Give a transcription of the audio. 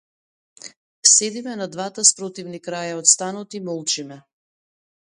Седиме на двата спротивни краја од станот и молчиме.